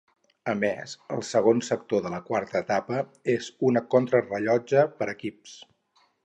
A més el segon sector de la quarta etapa és una contrarellotge per equips.